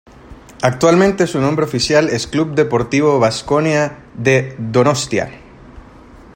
Actualmente su nombre oficial es Club Deportivo Vasconia de Donostia.